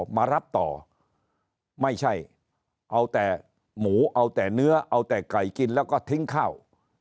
มารับต่อไม่ใช่เอาแต่หมูเอาแต่เนื้อเอาแต่ไก่กินแล้วก็ทิ้งข้าว